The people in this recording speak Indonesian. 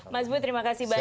mas bu terima kasih banyak